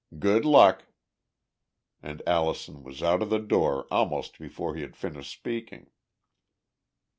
Good luck." And Allison was out of the door almost before he had finished speaking.